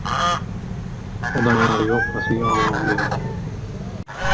Odamlar yoppasiga ovoz berdi: